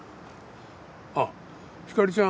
あっひかりちゃん